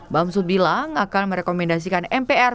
bamsud bilang akan merekomendasikan mpr